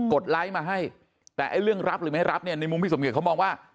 ดไลค์มาให้แต่ไอ้เรื่องรับหรือไม่รับเนี่ยในมุมพี่สมเกียจเขามองว่า